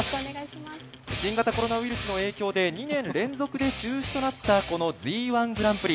新型コロナウイルスの影響で２年連続で中止となったＺ−１グランプリ。